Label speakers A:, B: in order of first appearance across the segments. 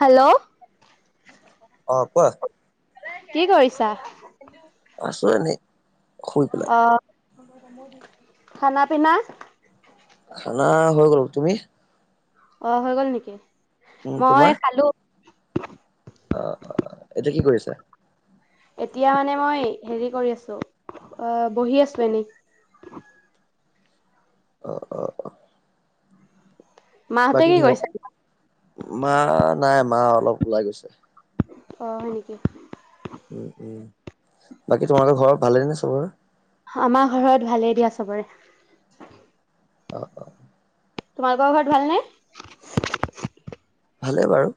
A: Hello
B: অ' কোৱা?
A: কি কৰিছা?
B: আছোঁ এনেই। শুই পেলাই
A: অ' খানা পিনা
B: খানা হৈ গ'ল। তুমি?
A: অ' হৈ গ'ল নেকি।
B: উম
A: মই
B: তোমাৰ
A: খালোঁ।
B: অ' অ'! এতিয়া কি কৰিছা?
A: এতিয়া মানে, মই হেৰি কৰি আছোঁ । ই বহি আছোঁ এনেই।
B: অ' অ' অ'!
A: মাহঁতে
B: বাকী
A: কি কৰিছে?
B: ঘৰত, মা নাই। মা অলপ ওলাই গৈছে।
A: অ' হয় নেকি।
B: উম উম বাকী তোমালোকৰ ঘৰত ভালেই নে চবৰে!
A: আমাৰ ঘৰত, ভালেই দিয়া চবৰে!
B: অ' অ'।
A: তোমালোকৰ ঘৰত ভালনে?
B: ভালে বাৰু।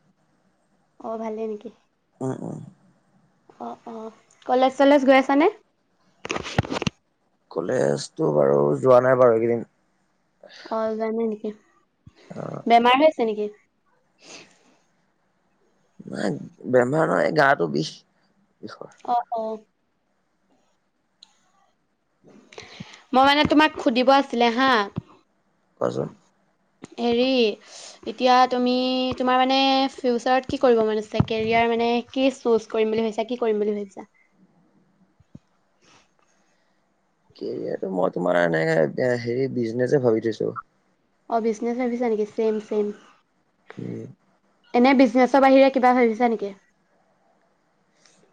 A: অ' ভালেই নেকি।
B: অ'!
A: অ' অ'! কলেজ চলেজ গৈ আছানে?
B: কলেজতো বাৰু যোৱা নাই বাৰু এইকেইদিন।
A: অ' জানে নেকি?
B: অ
A: বেমাৰ হৈ তেনেকে
B: নাই, বেমাৰ নহয়। গাটো বিষ! বিষৰ
A: অ'! অ'! [inaudible] মই মানে, তোমাক সুধিব আছিলে হা?
B: [unintelligible]
A: হেৰি এতিয়া, তুমি তোমাৰ মানে, ফিউচাৰত কি কৰিব মন আছে। কেৰিয়াৰ মানে, কি চুজ কৰিম বুলি ভাবিছা! কি কৰিম বুলি ভাবিছা?
B: কেৰি ম তোমাৰ এনেকে হেৰি বিজনেচ ভাবি থৈছো
A: অঁ বিজনেছ চাৰ্ভিছ নেকি চেম চেম
B: উম
A: এনে বিজনেছৰ বাহিৰে কিবা ভাবিছে নেকি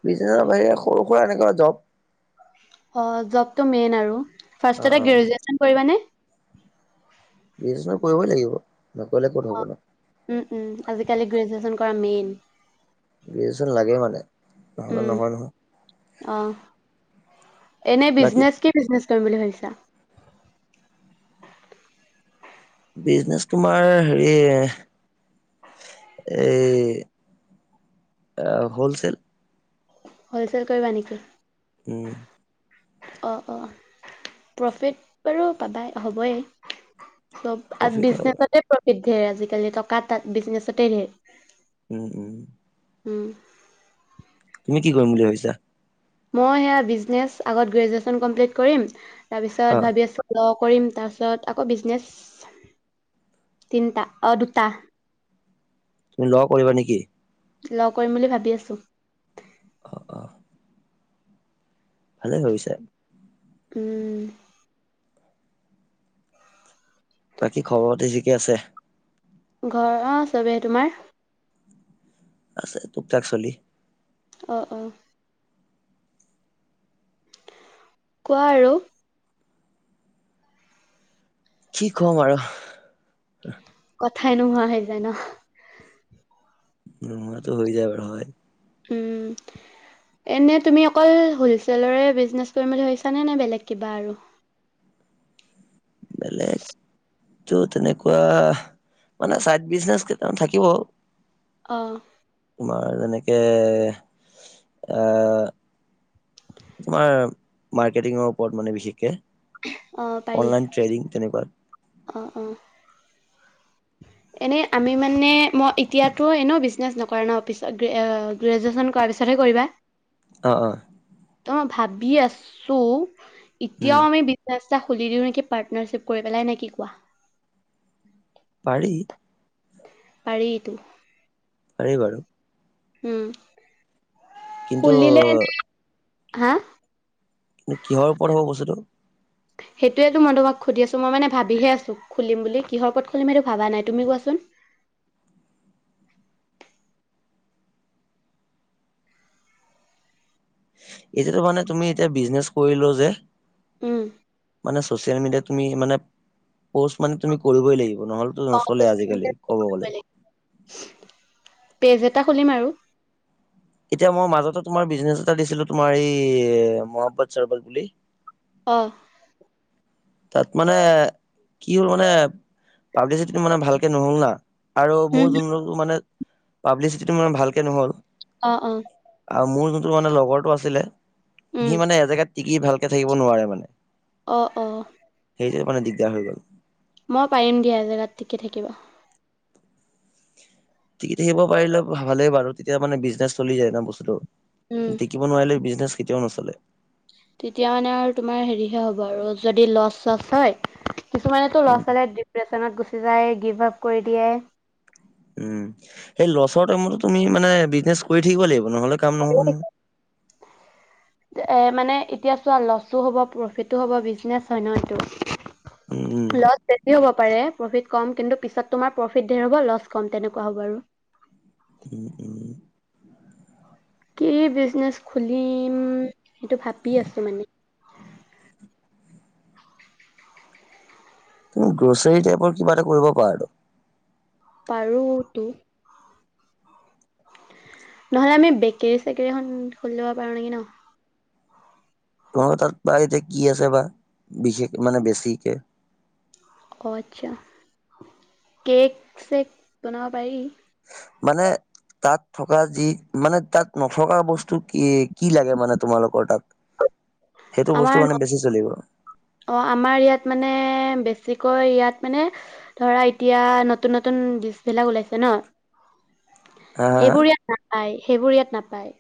B: বিজনেছৰ বাহিৰে সৰু সুৰা এনেকুৱা জব
A: অ জবটো মেইন আৰু
B: অ
A: ফাৰ্ষ
B: অ
A: গ্ৰেজেচন কৰিব নে
B: বি কৰিবই লাগিব নকৰিলে ক'ত হ'ব ন
A: উম উম আজিকালি গ্ৰেজুৱেশ্যন কৰা মেইন
B: গেজচন লাগেই মানে নহলে
A: উম
B: নহয় নহয়
A: অ এনে
B: বাকী
A: বিজনেছ কি বিজনেচ কৰিম বুলি ভাবিছা
B: বিজনেচ তোমাৰ হেৰি এই হলচেল
A: হ'লচেল কৰিবা নেকি
B: উম
A: অ অ প্ৰফিট বাৰু পাবা হ'বয়ে চব
B: প্ৰফিট হয় বাৰু।
A: বিজনেছতে ধেৰ আজিকালি টকা তাত বিজনেছতে ধেৰ
B: উম উম
A: উম
B: তুমি কি কৰিম বুলি ভাবিছা
A: মই সেয়া বিজনেছ আগত গ্ৰেজুৱেশ্যন কমপ্লিট কৰিম
B: অ
A: তাৰপিছত ভাবি আছোলক কৰিম তাৰপিছত আকৌ বিজনেছ তিনিটা দুটা
B: তুমি লগ কৰিবা নেকি
A: ল কৰিম বুলি ভাবি আছো
B: অ অ ভালে হৈ হৈছে
A: উম
B: বাকী খবৰ পাতি থিকে আছে
A: ঘৰ অ চবেইহে তোমাৰ
B: আছে তোক থাকচলি
A: আহ অ কোৱা আৰু
B: কি কম আৰু
A: কথাই নোহোৱা হৈ যায় ন
B: নোহোৱাটো হৈ যায় বাৰু হয়
A: এনে তুমি অকল হলচলৰে বিজনেছ কৰিম বুলি ভাবিছানে নে বেলেগ কিবা আৰু
B: এলেঃ ত তেনেকুৱা মানে চাইড বিজনেচ কেইটামান থাকিব
A: অ
B: তোমাৰ যেনেকে তোমাৰ মাৰ্কেটিঙৰ ওপৰত মানে বিশেষকৈ অনলাইন ট্ৰেডিং তেনেকুৱা।
A: অঁ অঁ। এনেই আমি মানে মই এতিয়াতো এনেও বিজনেছ নকৰা ন, পিছত গ্ৰেজুৱেশ্যন কৰাৰ পিছতহে কৰিবা?
B: অঁ অঁ
A: ত মই ভাবি আছো,
B: উম
A: এতিয়াও আমি বি টা খুলি দিও নেকি পাৰ্টনাৰশ্বিপ কৰি পেলাই নেকি কোৱা?
B: পাৰি
A: পাৰিতো
B: পাৰি বাৰু
A: উম
B: কিন্তু
A: খুলিলে হা
B: কিন্তু কিহৰ ওপৰত হ'ব বস্তুটো?
A: সেইটোয়েতো মই তোমাক সুধি আছো মই মানে ভাবিহে আছো খুলিম বুলি কিহৰ পথ খুলিম সেইটো ভাবা নাই তুমি কোৱাচোন?
B: এতিয়াতো মানে তুমি এতিয়া বিজনেচ কৰিলো যে,
A: উম
B: মানে চচিয়েল মিডিয়াত তুমি মানে প'ষ্ট মানে তুমি কৰিবই লাগিব। নহ'লেতো নচলে আজিকালি ক'ব গ'লে।
A: পেজ এটা খুলিম আৰু।
B: এতিয়া মই মাজতে তোমাৰ বিজনেচ এটা দিছিলো, তোমাৰ এই মহাব্বাদ চৰবল বুলি।
A: অ
B: তাত মানে কি হ'ল মানে পাব্লিচিটি মানে ভালকে নহ'ল না। আৰু মোৰ
A: উম
B: যোন ৰো মানে পাব্লিচিটিটো মানে ভালকে নহ'ল।
A: অ অ
B: আৰু মোৰ যোনটো মানে লগৰটো আছিলে,
A: উম
B: সি মানে এজেগাত টিকি ভাল- থাকিব নোৱাৰে মানে।
A: অ অ
B: সেইটো মানে দিগদাৰ হৈ গ'ল।
A: মই পাৰিম দিয়া এজিগাত তিকি থাকিব ।
B: টিকি থাকিব পাৰিলে ভালে বাৰু তেতিয়া মানে বিজনেছ চলি যায় ন
A: উম
B: বস্তুতটো। টিকিব নোৱাৰিলে বিজনেছ কেতিয়াও নচ- লে
A: তেতিয়া মানে আৰু তোমাৰ হেৰিহে হ'ব আৰু যদি লচ চচ হয়, কিছুমানেটো ল'ৰা
B: উম
A: ছোৱালীয়ে ডিপ্ৰে চনত গুচি যায় গিভ আপ কৰি দিয়ে।
B: উম সেই লছৰ টাইমতো তুমি মানে বিজনেচ কৰি থাকিব লাগিব। নহ'লে কাম নহ'ব নহয়
A: এ মানে, এতিয়া চোৱা। লছো হ'ব, প্ৰফিটো হ'ব, বিজনেছ হয় ন
B: উম উম।
A: এইটো। লছ বেছি হ'ব। এ প্ৰফিট কম কিন্তু পিছত তোমাৰ প্ৰফিট ধেৰ হব, লছ কম। তেনেকুৱা হব আৰু
B: উম, উম।
A: কি বিজনেচ খুলিম, সেইটো ভাবি আছো মানে।
B: তুমি গ্ৰ'চাৰী টাইপৰ কিবা এটা কৰিব পাৰা আৰু।
A: পাৰো টো। নহ'লে আমি বেকেৰী-চেকৰী এখন খুলি ল'ব পাৰো নেকি, ন?
B: তোমালোক' তাত বা এতে কি আছে বা বিশেষ মানে বেছিকে।
A: অ, আচ্ছা। কেক-চেক বনাব পাৰি।
B: মানে তাত থকা যি মানে তাত নথকা বস্তু কি কি লাগে মানে তোমালোকৰ তাত? সেইটো বস্তু
A: আমাৰ
B: মানে বেছি চলিব
A: অ, আমাৰ ইয়াত মানে বেছি বেছিকৈ ইয়াত মানে ধৰা এতিয়া নতুন নতুন ডিছ বিলাক ওলাইছে ন।
B: হা হা হা
A: সেইবোৰ ইয়াত পায়। সেইবোৰ ইয়াত নাপায়।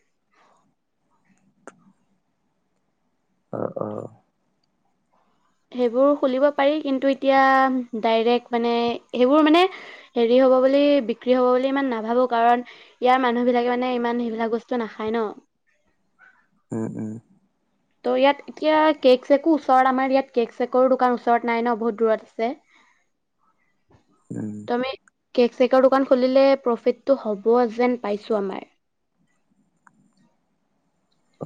B: অ, অ।
A: সেইবোৰ খুলিব পাৰি কিন্তু এতিয়া ডাইৰেক্ট মানে সেইবোৰ মানে হেৰি হ'ব বুলি বিক্ৰী হব বুলি ইমান নাভাবো কাৰণ ইয়াৰ মানুহ বিলাকে মানে ইমান সেইবিলাক বস্তু নাখায় ন।
B: উম, উম।
A: ত' ইয়াত এতিয়া কেক-চেকো ওচৰত আমাৰ ইয়াত কেক-চেকৰো দোকান ওচৰত নাই ন, বহুত দূৰত আছে।
B: উম।
A: কেক-চেকৰ দোকান খুলিলে প্ৰফিটটো হ'ব যেন পাইছোঁ আমাৰ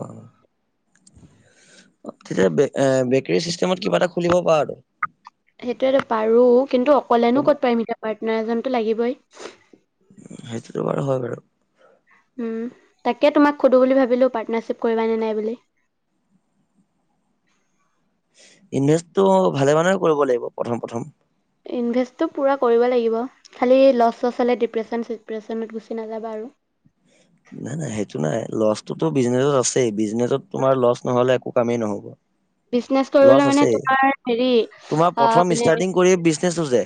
B: অহ।
A: [unintelligible]
B: তেতিয়া বেক আ বেকৰী চিষ্টেমত কিবা এটা খুলিব পাৰা
A: সেইটোয়েতো পাৰো। কিন্তু অকলেনো ক'ত পাই মিটা পাৰ্টনাৰ এজনতো লাগিবই।
B: সেইটোতো বাৰু হয় বাৰু।
A: উ, তাকে তোমাক সোধো বুলি ভাবিলো পাৰ্টনাৰশ্বিপ কৰিবা নে নাই বুলি।
B: ইনভেষ্টটো ভালে মানে কৰিব লাগিব, প্ৰথম-প্ৰথম।
A: ইনভেষ্টটো পূৰা কৰিব লাগিব। খালী লছ-ছছ হ'লে ডিপ্ৰেশ্যন-চিপ্ৰেশ্যনত গুচি নাযাবা আৰু।
B: তো বিজনেছত আছেই। বিজনেচত তোমাৰ লছ নহ'লে একো কামেই নহ'ব।
A: বিজনেছ
B: লছ
A: কৰিবলে মানে
B: আছেই
A: তোমাৰ হেৰি অ মানে
B: টো যে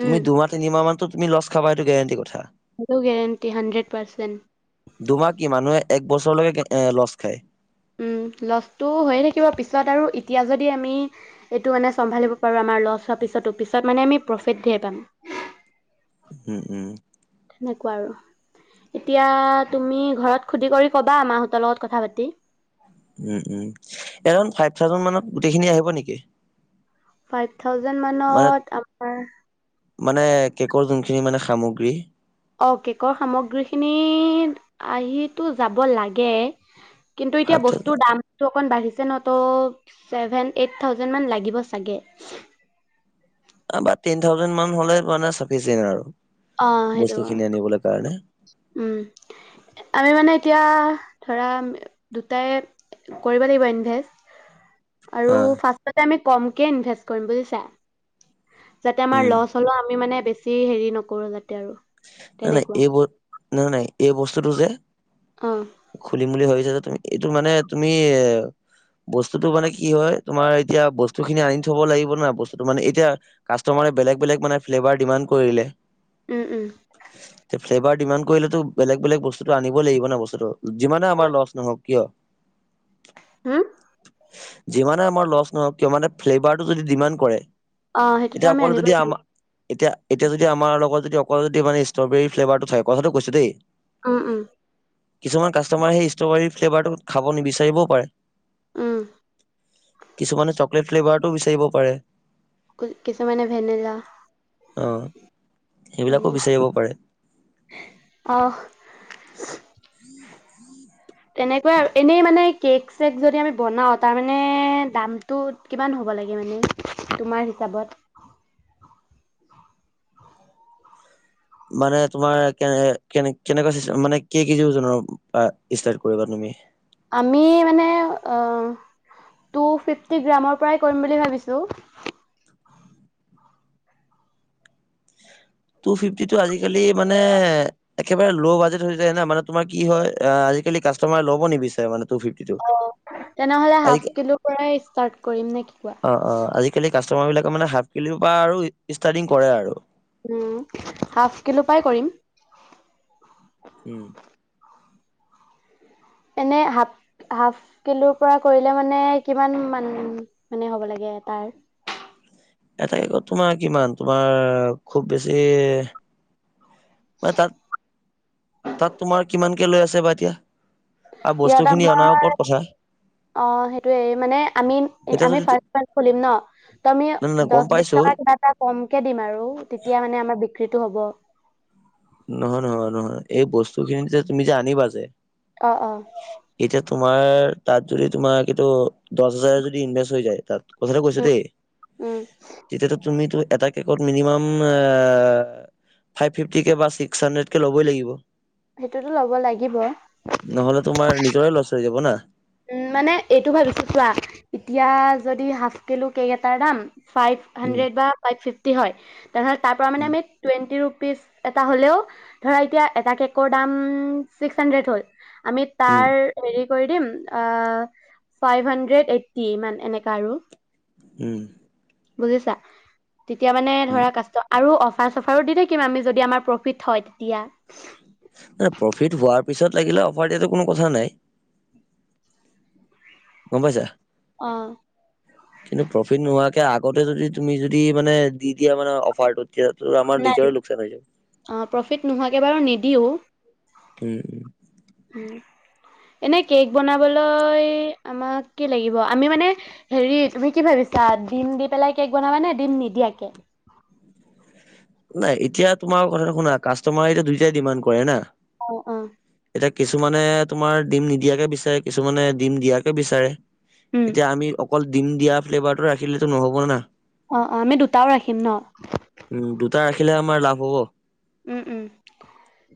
B: তুমি
A: উম
B: দুমাহ-তিনিমাহ মানতো। তুমি লছ খাবা এইটো গেৰাণ্টি কথা।
A: হলো গেৰাণ্টি হাণ্ড্ৰেড পাৰ্চেণ্ট
B: তোমাক কি মানুহে এক বছৰলৈকে কেত এ লছ খায়।
A: উম লছটো হৈয়ে থাকিব, পিছত আৰু এতিয়া যদি আমি এইটো মানে চম্ভালিব পাৰো আ আমাৰ লছ হোৱা পিছতো পিছত মানে আমি প্ৰফিট ধেৰ পাম।
B: উম উম।
A: তেনেকুৱা আৰু, এতিয়া তুমি ঘৰত সুধি কৰি ক'বা মাহঁতৰ লগত কথা পাতি।
B: Um, um, around five thousand মানত গোটেইখিনি আহিব নেকি?
A: ফাইভ থাউজেণ্ড
B: মানে
A: মানত আমাৰ
B: মানে কেকৰ যোনখিনি মানে সামগ্ৰী,
A: অ আহি টো যাব লাগে, কিন্তু এতিয়া
B: ফাইভ থাউজেণ্ড
A: বস্তুৰ দামটো অকন বাঢ়িছে ন ত ছেভেন এইট থাউজেণ্ড মান লাগিব চাগে।
B: বা তেন থাউজেন মান হলে মানে চাফিচিয়েণ্ট আৰু
A: অ সেইটো
B: বস্তু খিনি আনিবলৈ কাৰণে ।
A: উম আমি মানে এতিয়া ধৰা দুটাই কৰিব লাগিব ইনভেষ্ট । আৰু
B: হা
A: ফাৰ্ষ্টতে আমি, কমকে ইনভেষ্ট কৰিম বুজিছা । যাতে আমাৰ
B: উম
A: লচ হলেও আমি মানে । বেছি হেৰি নকৰোঁ যাতে ।
B: নাই নাই এ ব নাই নাই এইবস্তু । বস্তুটো যে
A: অ
B: । খুলিম বুলি ভাবিছা য । এইটো মানে তুমি বস্তুটো মানে কি হয় তোমাৰ এতিয়া বস্তু খিনি আনি থব লাগিব না বস্তু মানে এতিয়া কাষ্টমাৰে বেলেগ বেলেগ মানে ফ্লেভাৰ ডিমাণ্ড কৰিলে ।
A: উম উম ।
B: তে ফ্লেভাৰ । ডিমাণ্ড কৰিলেতো বেলেগ বেলেগ বস্তুটো আনিবই লাগিব ন বস্তুটো । যিমানে আমাৰ লচ নহওক । কিয় ।
A: হা ।
B: যিমানে আমাৰ লছ নহওক কিয় মানে ফ্লেভাৰটো যদি ডিমাণ্ড কৰে ।
A: অ সেইটোতো আমি আনিবই লাগিব ।
B: এতিয়া এতিয়া যদি আমাৰ লগত যদি অ । অকল যদি মানে ষ্ট্ৰবেৰী ফ্লেভাটো থাকে কথাটো কৈছো দেই ।
A: উম উম ।
B: কিছুমান কাষ্টমাৰে সেই ষ্ট্ৰবেৰী ফ্লেভাৰটো খাব নিবিচাৰিবও পাৰে
A: উম
B: । কিছুমানে চ চকলেট ফ্লেভাৰটো বিচাৰিব পাৰে ।
A: কিছুমানে ভেনেলা ।
B: অ সেইবিলাকো বিচাৰিব পাৰে ।
A: তেনেকুৱা এনেই মানে কেক চেক যদি আমি বনাও তাৰ মানে দামটো কিমান হ'ব লাগে মানে তোমাৰ হিচাপত ।
B: মানে তোমাৰ কেনে কেনে কেনেকুৱা ছিষ্টেম মানে কেই কেজি ওজনৰ আ ষ্টাৰ্ট কৰিবা তুমি ।
A: আমি মানে টু ফিফটি গ্ৰামৰ পৰাই কৰিম বুলি ভাবিছো ।
B: টু ফিফটিটো আজিকালি মানে একেবাৰে ল' বাজেট যায় ন মানে তোমাৰ কি হয় আজিকালি কাষ্টমাৰে ল'ব নিবিচাৰে মানে ।
A: অ তেনেহ'লে হাফ কিলো পৰাই ষ্টাৰ্ট কৰিম নে কি কোৱা
B: অ অ
A: ।
B: আজিকালি কাষ্টমাৰ বিলাকে মানে হাফ কিলোৰ পৰা আৰু ষ্টাৰ্টিং কৰে আৰু ।
A: উম হাফ কিলো পৰাই কৰিম ।
B: উম ।
A: এনে হাফ হাফ কিলোৰ পৰা কৰিলে মানে কিমান মানে মানে হ'ব লাগে এটাৰ ।
B: এটাকে ক তোমাৰ কিমান তোমাৰ খুব বেছি ম তাত তাত তোমাৰ কিমানকে লৈ আছে বা এতিয়া? আৰু বস্তু
A: ইয়াত
B: খিনি অনাৰ
A: আমাৰ
B: ওপৰত কথা
A: অ সেইটোয়ে মানে আমি
B: এতিয়া
A: আমি
B: যদি তু-
A: ফাৰ্ম চাৰ্ম খুলিম ন ত আমি
B: নাই নাই গম
A: দছ বিছ
B: পাইছো
A: টকাত কিবা এটা কমকে দিম আৰু তেতিয়া মানে আমাৰ বি ক্ৰিটো হ'ব।
B: নহয় নহয় নহয় এই বস্তু খিনি যে তুমি যে আনিবা যে
A: অ অ
B: এতিয়া তোমাৰ তাত যদি তোমাৰ সেইটো দহ হাজাৰ যদি ইনভেষ্ট হৈ যায় তাত কথাটো কৈছো
A: উম
B: দেই
A: উম
B: তেতিয়াতো তুমিতো এটা কেকত মিনিমাম আ ফাইফ ফিফটিকে বা ছিক্স হান্ড্ৰেত কে লবই লাগিব
A: সেইটোতো লব লাগিব।
B: নহ'লে তোমাৰ নিজৰে লছ হৈ যাব না
A: উম মানে এইটো ভাবিছো চোৱা এতিয়া যদি হাফ কিলো কেক এটাৰ দাম ফাইফ
B: উম
A: হান্ড্ৰেদ বা ফাইফ ফিফ কে হয় তাৰপৰা মানে
B: উম
A: আমি টুৱেণ্টি ৰু পিছ এটা হলেও ধৰা এতিয়া এটা কেকৰ দাম উম ছিক্স হান্ড্ৰেত হ'ল আমি
B: উম
A: তাৰ হেৰি কৰি দিম আ ফাইফ হান্ড্ৰেত এইট টি ইমান এনেকা আৰু
B: উম
A: বুজিছা তেতিয়া মানে
B: উম
A: ধৰা কাষ্ট আৰু অফ- অফাৰ চফাৰো দি থাকিম আমি যদি আমাৰ প্ৰফিট হয় তেতিয়া
B: প্ৰফিট হোৱাৰ পিছত লাগিলে অফাৰ দিয়াটো কোনো কথা নাই। গম পাইছা
A: অ
B: কিন্তু প্ৰফিট নোহাক কে আগতে যদি তুমি যদি মানে দি দিয়া মানে অফাৰটোত
A: নাই অ প্ৰফিট নোহোৱাকে বাৰু নিদিও উ
B: উম উম
A: এনে কেক বনাবলৈ আমাক কি লাগিব আমি মানে হেৰি তুমি কি ভাবিছা ডিম দি পেলাই কেক বনাব নে ডিম নিদিয়াকে?
B: নাই এতিয়া তোমাৰ কথাটো শুনা কাষ্টমাৰে এয়া দুইটাই ডিমাণ্ড কৰে না
A: অ অ
B: এতিয়া কিছুমানে তোমাৰ ডিম নিদিয়াকে বিচাৰে কিছুমানে ডিম দিয়াকে বিচাৰে।
A: উম
B: এতিয়া আমি অ অকল ডিম দিয়া ফ্লেভাৰটো ৰাখিলেতো নহ'বনে না
A: অ অ আমি দুটাও ৰাখিম ন
B: টা ৰাখিলে আমাৰ লাভ হ'ব
A: উম উম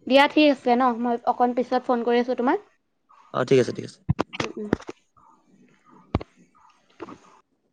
A: দিয়া ঠিক আছে ন মই অকণ পিছত ফোন কৰি আছো তোমাক
B: অঁ ঠিক আছে ঠিক আছে
A: হয় [unintelligible]